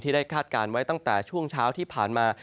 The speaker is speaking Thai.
ได้คาดการณ์ไว้ตั้งแต่ช่วงเช้าที่ผ่านมา